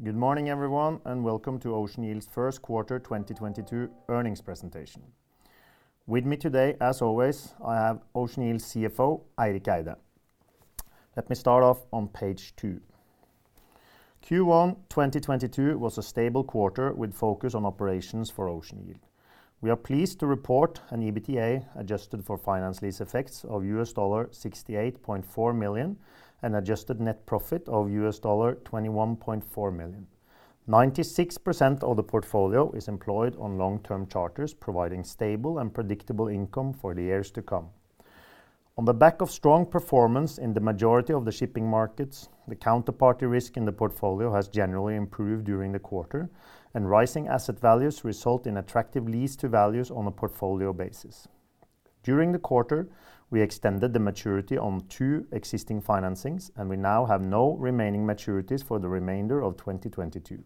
Good morning, everyone, and welcome to Ocean Yield's first quarter 2022 earnings presentation. With me today, as always, I have Ocean Yield CFO, Eirik Eide. Let me start off on page two. Q1 2022 was a stable quarter with focus on operations for Ocean Yield. We are pleased to report an EBITDA adjusted for finance lease effects of $68.4 million and adjusted net profit of $21.4 million. 96% of the portfolio is employed on long-term charters, providing stable and predictable income for the years to come. On the back of strong performance in the majority of the shipping markets, the counterparty risk in the portfolio has generally improved during the quarter, and rising asset values result in attractive lease to values on a portfolio basis. During the quarter, we extended the maturity on two existing financings, and we now have no remaining maturities for the remainder of 2022.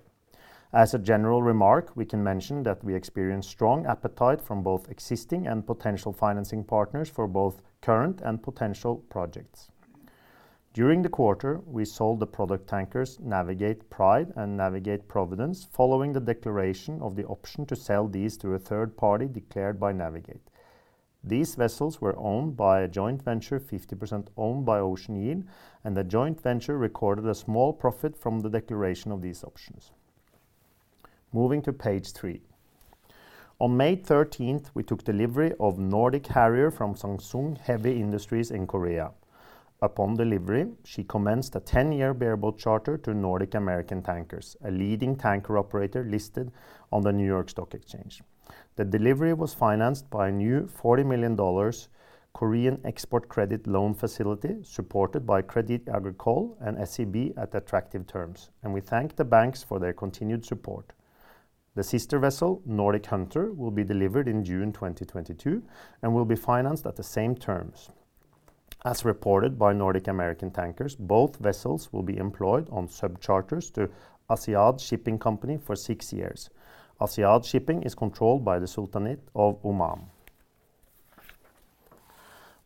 As a general remark, we can mention that we experienced strong appetite from both existing and potential financing partners for both current and potential projects. During the quarter, we sold the product tankers Navig8 Pride and Navig8 Providence following the declaration of the option to sell these to a third party declared by Navig8. These vessels were owned by a joint venture 50% owned by Ocean Yield, and the joint venture recorded a small profit from the declaration of these options. Moving to page three. On May 13th, we took delivery of Nordic Harrier from Samsung Heavy Industries in Korea. Upon delivery, she commenced a 10-year bareboat charter to Nordic American Tankers, a leading tanker operator listed on the New York Stock Exchange. The delivery was financed by a new $40 million Korean export credit loan facility supported by Crédit Agricole and SEB at attractive terms, and we thank the banks for their continued support. The sister vessel, Nordic Hunter, will be delivered in June 2022 and will be financed at the same terms. As reported by Nordic American Tankers, both vessels will be employed on subcharters to Asyad Shipping Company for six years. Asyad Shipping is controlled by the Sultanate of Oman.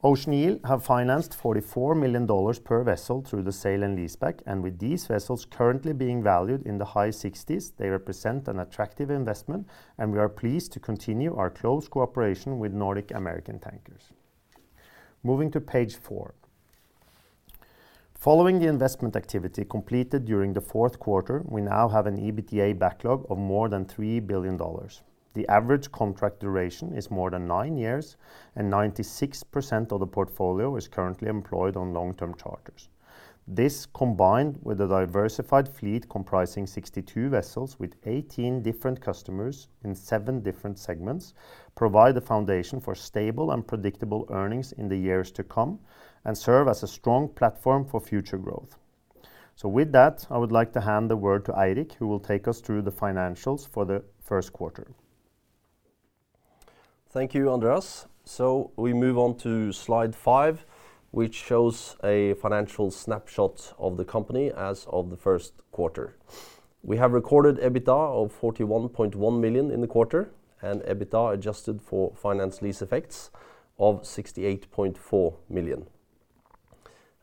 Ocean Yield have financed $44 million per vessel through the sale and lease back, and with these vessels currently being valued in the high 60s, they represent an attractive investment, and we are pleased to continue our close cooperation with Nordic American Tankers. Moving to page four. Following the investment activity completed during the fourth quarter, we now have an EBITDA backlog of more than $3 billion. The average contract duration is more than nine years, and 96% of the portfolio is currently employed on long-term charters. This, combined with a diversified fleet comprising 62 vessels with 18 different customers in seven different segments, provide the foundation for stable and predictable earnings in the years to come and serve as a strong platform for future growth. With that, I would like to hand the word to Eirik, who will take us through the financials for the first quarter. Thank you, Andreas. We move on to slide five, which shows a financial snapshot of the company as of the first quarter. We have recorded EBITDA of $41.1 million in the quarter and EBITDA adjusted for finance lease effects of $68.4 million.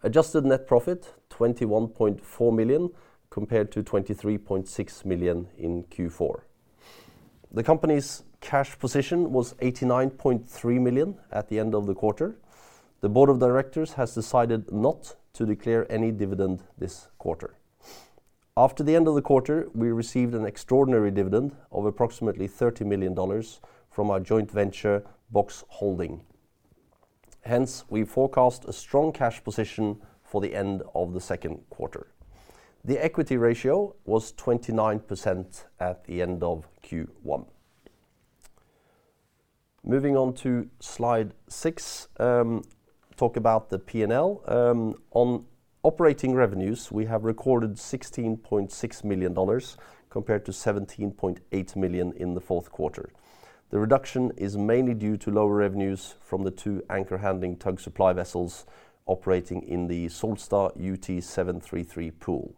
Adjusted net profit, $21.4 million compared to $23.6 million in Q4. The company's cash position was $89.3 million at the end of the quarter. The board of directors has decided not to declare any dividend this quarter. After the end of the quarter, we received an extraordinary dividend of approximately $30 million from our joint venture, Box Holding. Hence, we forecast a strong cash position for the end of the second quarter. The equity ratio was 29% at the end of Q1. Moving on to slide six, talk about the P&L. On operating revenues, we have recorded $16.6 million compared to $17.8 million in the fourth quarter. The reduction is mainly due to lower revenues from the two anchor handling tug supply vessels operating in the Solstad UT 733 pool.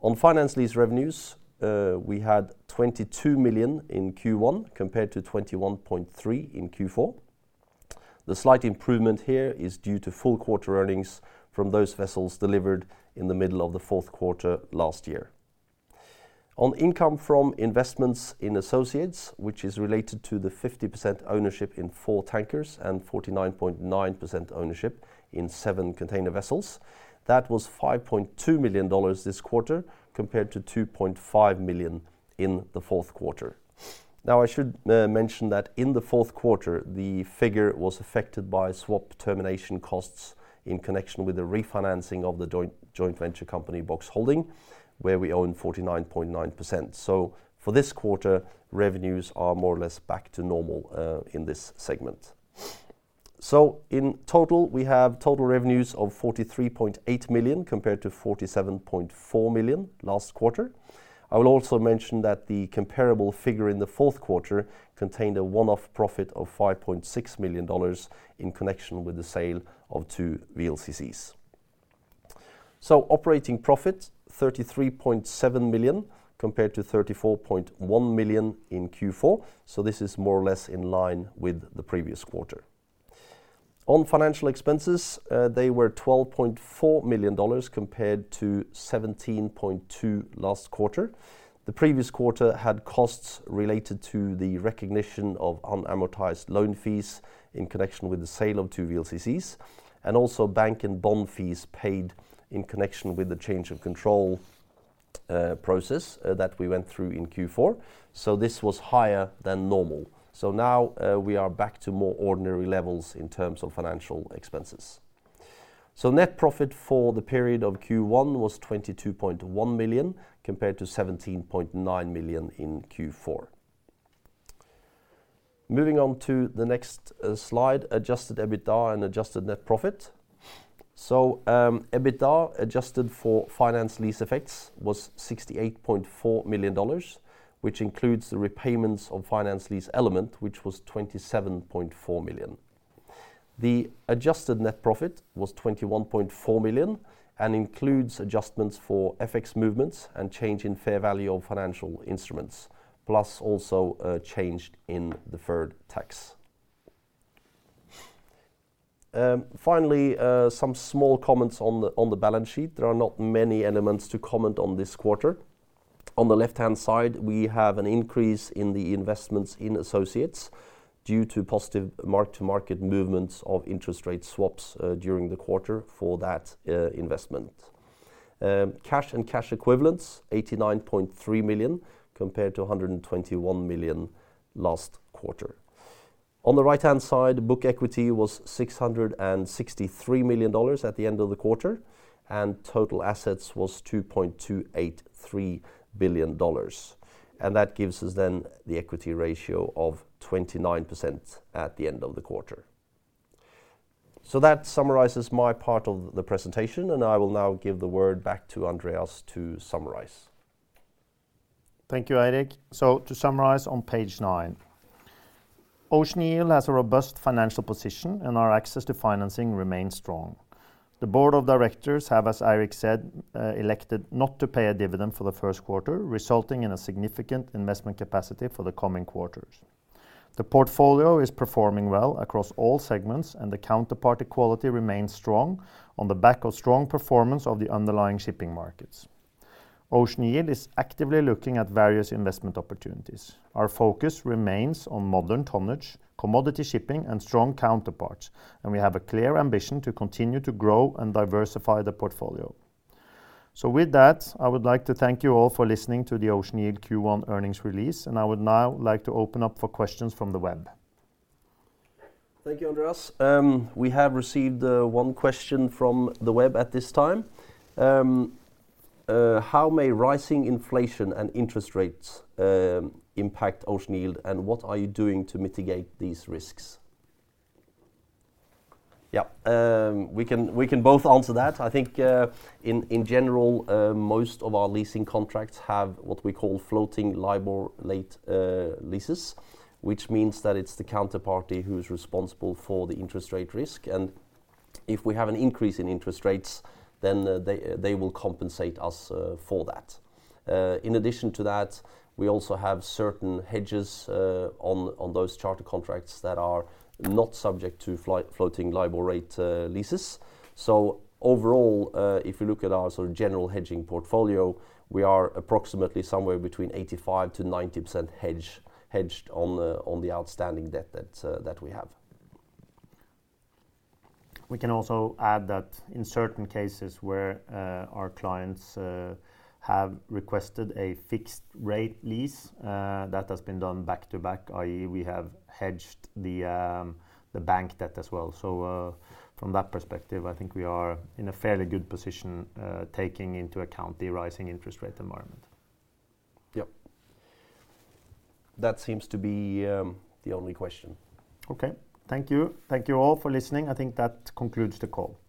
On finance lease revenues, we had $22 million in Q1 compared to $21.3 million in Q4. The slight improvement here is due to full quarter earnings from those vessels delivered in the middle of the fourth quarter last year. On income from investments in associates, which is related to the 50% ownership in four tankers and 49.9% ownership in seven container vessels, that was $5.2 million this quarter compared to $2.5 million in the fourth quarter. I should mention that in the fourth quarter, the figure was affected by swap termination costs in connection with the refinancing of the joint venture company, Box Holding, where we own 49.9%. For this quarter, revenues are more or less back to normal in this segment. In total, we have total revenues of $43.8 million compared to $47.4 million last quarter. I will also mention that the comparable figure in the fourth quarter contained a one-off profit of $5.6 million in connection with the sale of two VLCCs. Operating profit, $33.7 million compared to $34.1 million in Q4. This is more or less in line with the previous quarter. On financial expenses, they were $12.4 million compared to $17.2 million last quarter. The previous quarter had costs related to the recognition of unamortized loan fees in connection with the sale of two VLCCs, and also bank and bond fees paid in connection with the change of control process that we went through in Q4, so this was higher than normal. Now we are back to more ordinary levels in terms of financial expenses. Net profit for the period of Q1 was $22.1 million compared to $17.9 million in Q4. Moving on to the next slide, adjusted EBITDA and adjusted net profit. EBITDA adjusted for finance lease effects was $68.4 million, which includes the repayments of finance lease element, which was $27.4 million. The adjusted net profit was $21.4 million and includes adjustments for FX movements and change in fair value of financial instruments, plus also a change in deferred tax. Finally, some small comments on the balance sheet. There are not many elements to comment on this quarter. On the left-hand side, we have an increase in the investments in associates due to positive mark-to-market movements of interest rate swaps during the quarter for that investment. Cash and cash equivalents, $89.3 million compared to $121 million last quarter. On the right-hand side, book equity was $663 million at the end of the quarter, and total assets was $2.283 billion. That gives us then the equity ratio of 29% at the end of the quarter. That summarizes my part of the presentation, and I will now give the word back to Andreas to summarize. Thank you, Eirik. To summarize on page nine, Ocean Yield has a robust financial position, and our access to financing remains strong. The board of directors have, as Eirik said, elected not to pay a dividend for the first quarter, resulting in a significant investment capacity for the coming quarters. The portfolio is performing well across all segments, and the counterparty quality remains strong on the back of strong performance of the underlying shipping markets. Ocean Yield is actively looking at various investment opportunities. Our focus remains on modern tonnage, commodity shipping, and strong counterparts, and we have a clear ambition to continue to grow and diversify the portfolio. With that, I would like to thank you all for listening to the Ocean Yield Q1 earnings release, and I would now like to open up for questions from the web. Thank you, Andreas. We have received one question from the web at this time. How may rising inflation and interest rates impact Ocean Yield, and what are you doing to mitigate these risks? Yeah, we can both answer that. I think in general most of our leasing contracts have what we call floating LIBOR-linked leases, which means that it's the counterparty who's responsible for the interest rate risk. If we have an increase in interest rates, then they will compensate us for that. In addition to that, we also have certain hedges on those charter contracts that are not subject to floating LIBOR rate leases. Overall, if you look at our sort of general hedging portfolio, we are approximately somewhere between 85%-90% hedged on the outstanding debt that we have. We can also add that in certain cases where our clients have requested a fixed rate lease, that has been done back to back, i.e., we have hedged the bank debt as well. From that perspective, I think we are in a fairly good position, taking into account the rising interest rate environment. Yep. That seems to be the only question. Okay. Thank you. Thank you all for listening. I think that concludes the call.